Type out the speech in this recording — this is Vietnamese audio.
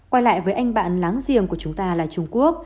quay lại với anh bạn láng giềng của chúng ta là trung quốc